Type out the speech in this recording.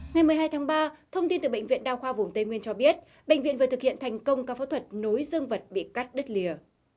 ngày một mươi hai tháng ba thông tin từ bệnh viện đao khoa vùng tây nguyên cho biết bệnh viện vừa thực hiện thành công ca phẫu thuật nối dương vật bị cắt đứt lìa